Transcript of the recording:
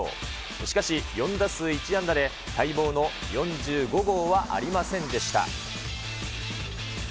しかし、４打数１安打で、待望の４５号はありませんでした。